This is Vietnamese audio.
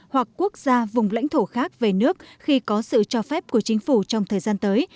hoặc quốc gia vùng lãnh thổ khác về nước khi có sự cho phép của chính phủ trong thời gian tới